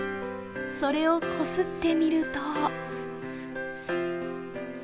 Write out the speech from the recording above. それを、こすってみると。